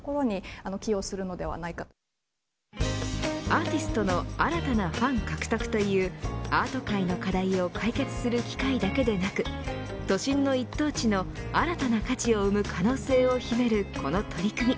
アーティストの新たなファン獲得というアート界の課題を解決する機会だけでなく都心の一等地の新たな価値を生む可能性を秘めるこの取り組み。